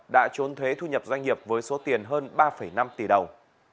đã trốn thuế thu nhập doanh nghiệp với số tiền hơn ba năm tỷ đồng